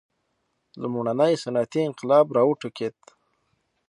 لومړنی صنعتي انقلاب را وټوکېد.